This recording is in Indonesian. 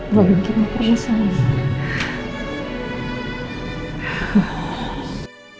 allah mungkin tidak percaya